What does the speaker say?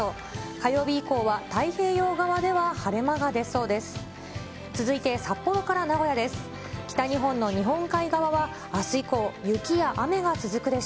火曜日以降は、太平洋側では晴れ間が出そうです。